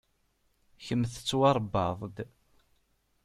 Kemm tettwaṛebbaḍ-d.